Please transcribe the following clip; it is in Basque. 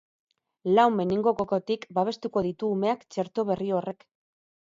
Lau meningokokotik babestuko ditu umeak txerto berri horrek.